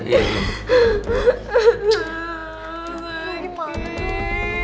bel sedang sakit banget bel